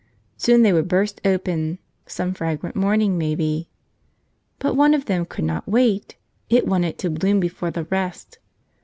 Soon they would burst open — some fragrant morning, maybe. But one of them could not wait; it wanted to bloom before the rest.